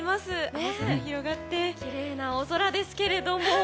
青空が広がってきれいな青空ですけれども。